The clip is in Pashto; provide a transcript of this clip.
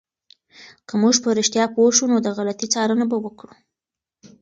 که موږ په رښتیا پوه شو، نو د غلطي څارنه به وکړو.